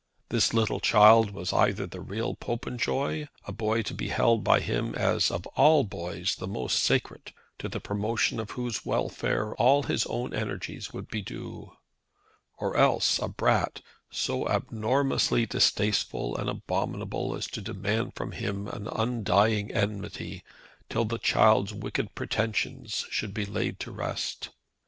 This little child was either the real Popenjoy, a boy to be held by him as of all boys the most sacred, to the promotion of whose welfare all his own energies would be due, or else a brat so abnormously distasteful and abominable as to demand from him an undying enmity, till the child's wicked pretensions should be laid at rest.